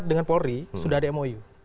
dengan polri sudah ada mou